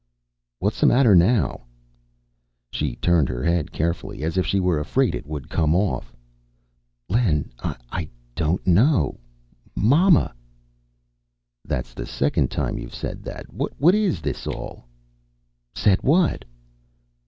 "What's the matter now?" She turned her head carefully, as if she were afraid it would come off. "Len, I don't know. Mama." "That's the second time you've said that. What is this all " "Said what?"